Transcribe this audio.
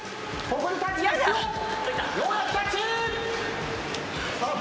ようやくタッチ。